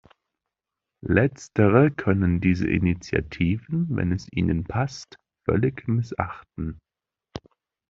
Letztere können diese Initiativen, wenn es ihnen passt, völlig missachten.